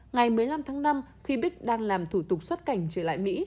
ngày một mươi năm tháng năm khi bích đang làm thủ tục xuất cảnh trở lại mỹ